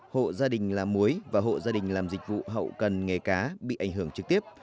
hộ gia đình làm muối và hộ gia đình làm dịch vụ hậu cần nghề cá bị ảnh hưởng trực tiếp